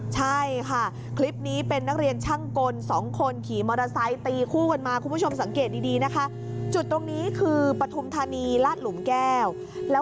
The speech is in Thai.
ใช่ค่ะคลิปนี้เป็นนักเรียนช่างกล